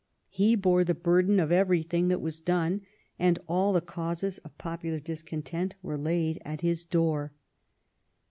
He bore the burden of everything that was done, and all the causes of popular discontent were laid at his door.